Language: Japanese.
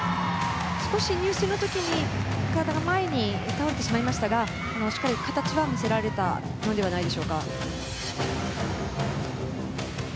少し入水の時に体が前に倒れてしまいましたがしっかり形は見せられたのではないでしょうか。